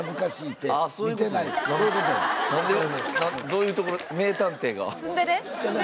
どういうところ名探偵が。